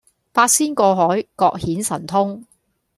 八仙過海各顯神通